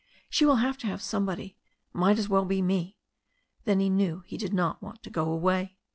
She will have to have somebody. Might as well be me." Then he knew he did not want to go away.